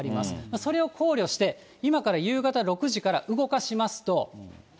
それを考慮して、今から夕方６時から動かしますと。